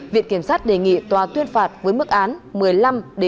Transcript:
viện kiểm sát đề nghị tòa tuyên phạt với mức án một mươi năm một mươi sáu năm tù